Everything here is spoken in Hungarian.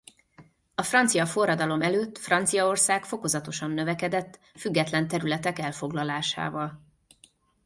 A francia forradalom előtt Franciaország fokozatosan növekedett független területek elfoglalásával.